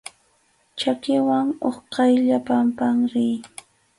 Chakiwan utqaylla pampan riy.